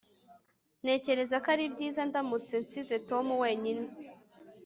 Ntekereza ko ari byiza ndamutse nsize Tom wenyine